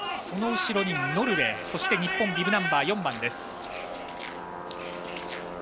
その後ろにノルウェーそして日本ビブナンバー４番です。